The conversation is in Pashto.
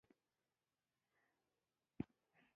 هغوی د ډوډۍ د کلتور د غوړولو هڅه وکړه.